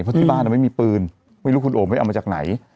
เพราะที่บ้านไม่มีปืนไม่รู้คุณโอมไปเอามาจากไหน